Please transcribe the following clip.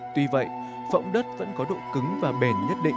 tuy vậy phẫu đất vẫn có độ cứng và bền nhất định